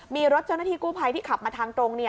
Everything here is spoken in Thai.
มีรถเจ้าหน้าที่กู้ภัยที่ขับมาทางตรง